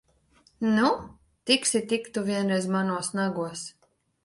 Nu, tiksi tik tu vienreiz manos nagos!